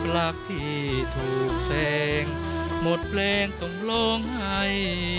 รักพี่ถูกแสงหมดแรงต้องร้องไห้